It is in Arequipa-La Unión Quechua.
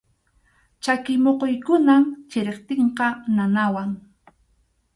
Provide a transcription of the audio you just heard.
Chaki muquykunam chiriptinqa nanawan.